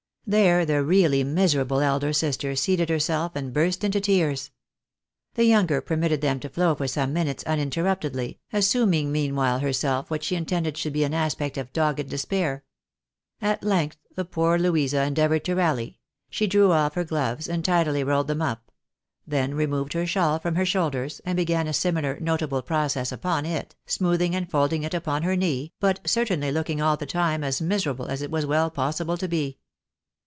There the really miserable elder sister seated herself, and burst into tears. The younger permitted them to flow for some minutes uninterruptedly, assuming meanwhile herself what she intended should be an aspect of dogged despair. At length, the poor Louisa endeavoured to rally ; she drew off her gloves, and tidily rolled them up ; then removed her shawl from her shoulders, and began a similar notable process upon it, smooth ing and folding it upon her knee, but certainly looking all the time as miserable as it was well possible to be.